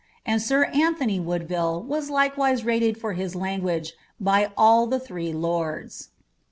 And sir Antony Woodville was likewise rated for his language, by all the three lords.